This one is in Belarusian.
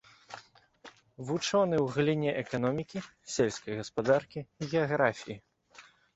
Вучоны ў галіне эканомікі, сельскай гаспадаркі, геаграфіі.